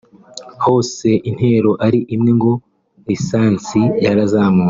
hose intero ari imwe ngo “lisansi yarazamutse”